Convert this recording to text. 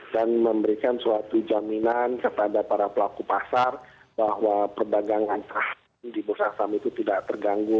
dan memberikan suatu jaminan kepada para pelaku pasar bahwa perdagangan transaksi di bursa asam itu tidak terganggu